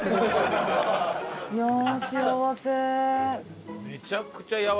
すごい！何？